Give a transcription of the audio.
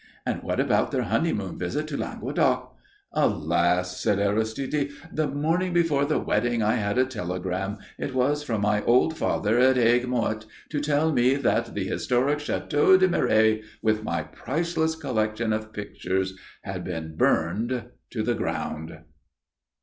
"And what about their honeymoon visit to Languedoc?" "Alas!" said Aristide. "The morning before the wedding I had a telegram it was from my old father at Aigues Mortes to tell me that the historic Château de Mireilles, with my priceless collection of pictures, had been burned to the ground."